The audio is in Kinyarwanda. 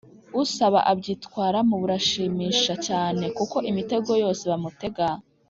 usaba abyitwaramo burashimisha cyane, kuko imitego yose bamutega